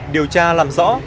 điều tra làm rõ